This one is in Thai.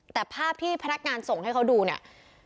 แต่ภาพที่พนักงานส่งให้เขาดูเนี่ย